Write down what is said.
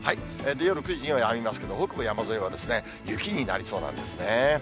夜９時にはやみますけど、北部山沿いは雪になりそうなんですね。